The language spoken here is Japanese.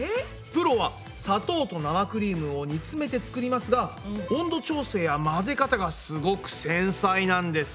プロは砂糖と生クリームを煮詰めて作りますが温度調整や混ぜ方がすごく繊細なんです。